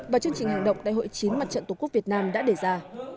và chương trình hành động đại hội chín mặt trận tổ quốc việt nam đã đề ra